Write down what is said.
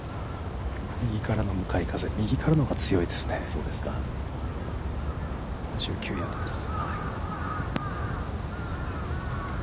右からの向かい風、右からの方が強いですね、１９ヤードです。